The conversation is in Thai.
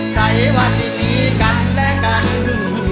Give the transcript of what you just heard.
ใส่วาสิมีกันและกัน